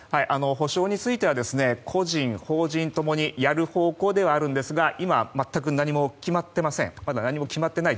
補償については個人・法人ともにやる方向ではあるんですが今、全く何も決まっていません。